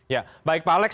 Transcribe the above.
ya baik pak alex